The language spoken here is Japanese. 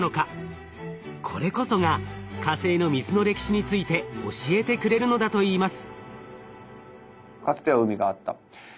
これこそが火星の水の歴史について教えてくれるのだといいます。